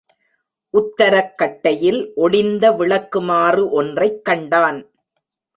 உத்தரக் கட்டையில் ஒடிந்த விளக்குமாறு ஒன்றைக் கண்டான்.